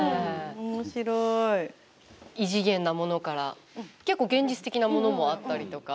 異次元なものから結構現実的なものもあったりとか。